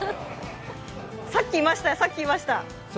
さっきいました、さっきいました。